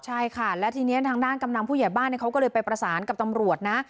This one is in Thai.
ใช่ค่ะและทีนี้ทางด้านกำนันผู้ใหญ่บ้านเขาก็เลยไปประสานกับตำรวจนะ